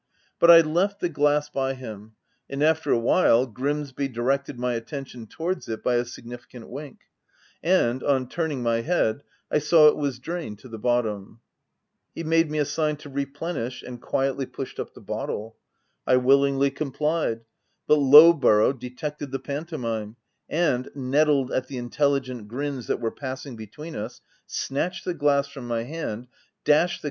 But I left the glass by him ; and after a while, Grimsby directed my attention towards it, by a significant wink ; and, on turn ing my head, I saw it was drained to the bottom. He made me a sign to replenish, and quietly pushed up the bottle. I willingly com plied ; but Lowborough detected the panto mime, and, nettled at the intelligent grins that were passing between us, snatched the glass from my hand, dashea the.